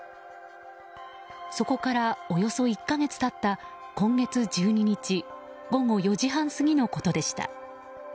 そこからおよそ１か月経った今月１２日午後４時半過ぎのことでした。